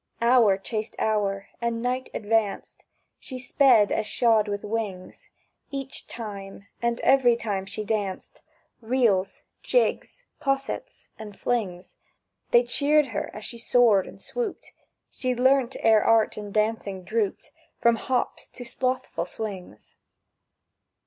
Hour chased each hour, and night advanced; She sped as shod with wings; Each time and every time she danced— Reels, jigs, poussettes, and flings: They cheered her as she soared and swooped, (She'd learnt ere art in dancing drooped From hops to slothful swings).